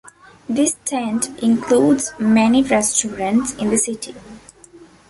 This tent includes many restaurants in the city.